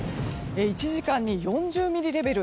１時間に４０ミリレベル。